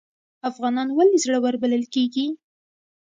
افغانان ولې زړور بلل کیږي؟